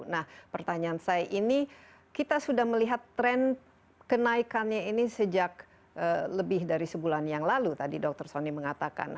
nah pertanyaan saya ini kita sudah melihat tren kenaikannya ini sejak lebih dari sebulan yang lalu tadi dokter sony mengatakan